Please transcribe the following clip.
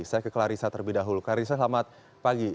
saya ke clarissa terlebih dahulu clarissa selamat pagi